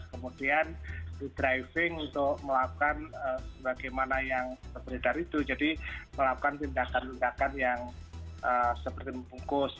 kemudian di driving untuk melakukan bagaimana yang beredar itu jadi melakukan tindakan tindakan yang seperti membungkus